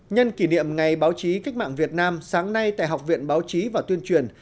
nhân kỷ niệm ngày báo chí cách mạng việt nam sáng nay tại học viện báo chí và tuyên truyền